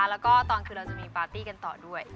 แล้วก็ตอนคือเราจะมีปาร์ตี้กันต่อด้วย